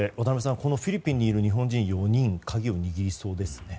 このフィリピンにいる日本人４人が鍵を握りそうですね。